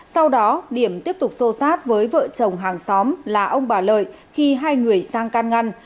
sau đó điểm tiếp tục xô sát với vợ chồng hàng xóm là ông bà lợi khi hai người sang can ngăn